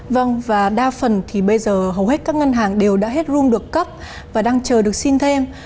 vâng và đa phần thì bây giờ hầu hết các ngân hàng đều đã hết room được cấp và đang chờ được xin thêm